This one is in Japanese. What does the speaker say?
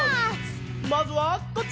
まずはこっち！